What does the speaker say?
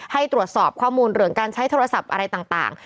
ให้ตรวจสอบข้อมูลเรื่องการใช้โทรศัพท์อะไรต่าง